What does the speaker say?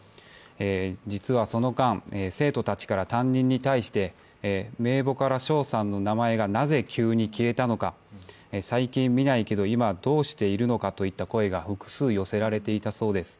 実はその間、生徒たちから担任に対して、名簿から翔さんの名前がなぜ急に消えたのか、最近見ないけど、今はどうしているのかといった声が複数寄せられていたそうです。